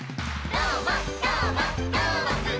「どーもどーもどーもくん！」